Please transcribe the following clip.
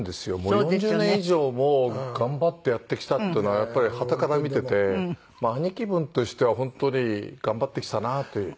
４０年以上も頑張ってやってきたっていうのはやっぱりはたから見てて兄貴分としては本当に頑張ってきたなって。